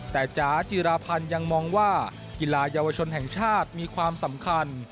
แต่จ๋าจิราพันธ์ยังมองว่ากีฬาเยาวชนแห่งชาติมีความสำคัญ